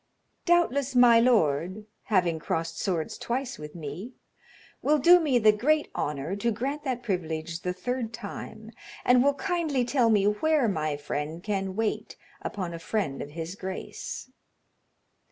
"Doubtless my lord, having crossed swords twice with me, will do me the great honor to grant that privilege the third time, and will kindly tell me where my friend can wait upon a friend of his grace."